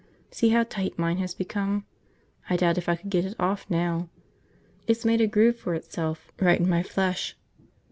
"See how tight mine has become? I doubt if I could get it off now. It's made a groove for itself right in my flesh.